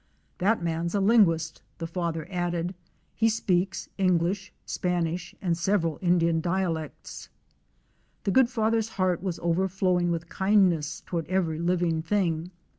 "That man's a linguist,' the Father added; "he speaks English, Spanish and several Indian dialects." The good Father's heart was overflowing with kindness toward every living thing.